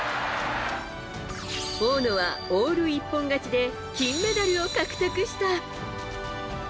大野はオール一本勝ちで金メダルを獲得した。